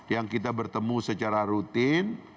yang kita bertemu secara rutin